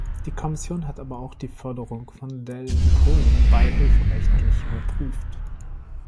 Die Kommission hat aber auch die Förderung von Dell in Polen beihilferechtlich überprüft.